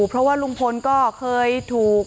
เพราะว่าลุงพลก็เคยถูก